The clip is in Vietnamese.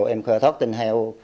em khơi thoát tình heo